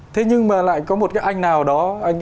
thế nhưng mà lại có một cái anh nào đó